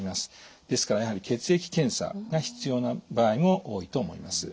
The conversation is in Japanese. ですからやはり血液検査が必要な場合も多いと思います。